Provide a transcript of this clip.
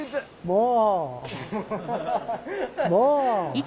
もう！